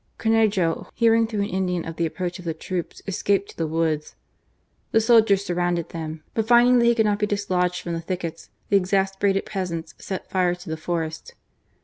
Cornejo, hearing through an Indian of the approach of the troops, escaped to the woods. The soldiers surrounded them, but finding that he could not be dislodged from the thickets, the exasperated peasants set fire to the forest.